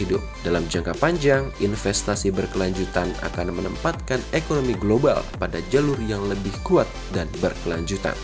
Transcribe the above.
dalam jangka panjang investasi berkelanjutan akan menempatkan ekonomi global pada jalur yang lebih kuat dan berkelanjutan